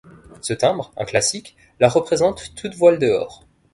Ce timbre, un classique, la représente toutes voiles dehors.